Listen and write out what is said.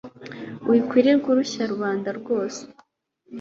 wikwirirwa urushya rubanda rwose